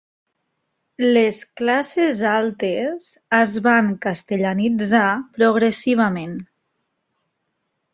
Les classes altes es van castellanitzar progressivament.